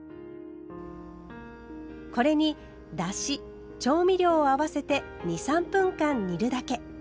これにだし・調味料を合わせて２３分間煮るだけ。